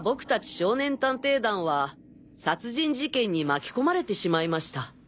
少年探偵団は殺人事件に巻き込まれてしまいました。